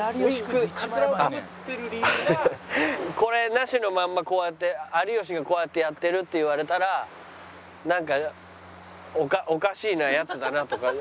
これなしのまんまこうやって有吉がこうやってやってるって言われたらなんか。